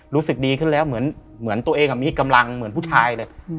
รู้สึกดีขึ้นแล้วเหมือนตัวเองมีกำลังเหมือนผู้ชายเลย